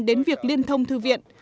đến việc liên thông thư viện